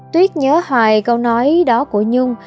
tuyết nhớ hoài câu nói đó của nhung